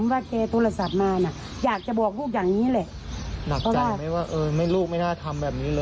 พ่อถึงบอกว่าโอ้แม่เนาะ